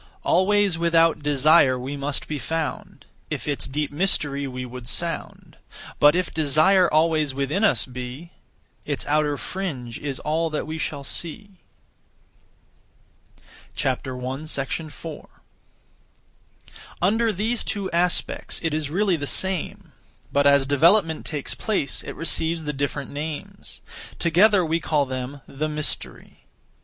Always without desire we must be found, If its deep mystery we would sound; But if desire always within us be, Its outer fringe is all that we shall see. 4. Under these two aspects, it is really the same; but as development takes place, it receives the different names. Together we call them the Mystery.